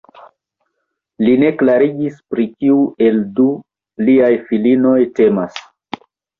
Li ne klarigis pri kiu el du liaj filinoj temas.